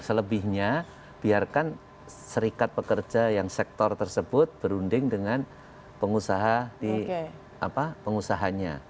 selebihnya biarkan serikat pekerja yang sektor tersebut berunding dengan pengusaha di pengusahanya